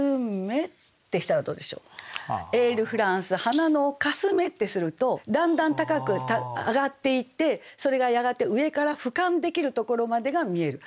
「エールフランス花野をかすめ」ってするとだんだん高く上がっていってそれがやがて上からふかんできるところまでが見える。